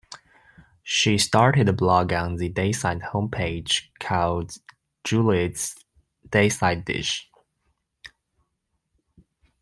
She started a blog on the Dayside homepage, called Juliet's DaySide Dish.